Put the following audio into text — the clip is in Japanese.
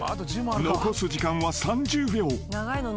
残す時間は３０秒］